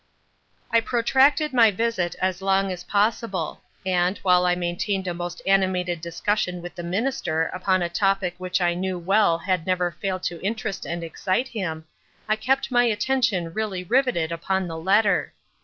"I protracted my visit as long as possible, and, while I maintained a most animated discussion with the Minister upon a topic which I knew well had never failed to interest and excite him, I kept my attention really riveted upon the letter.